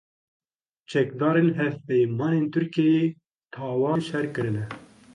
Çekdarên hevpeymanên Tirkiyeyê tawanên şer kirine.